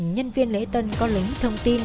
nhân viên lễ tân có lấy thông tin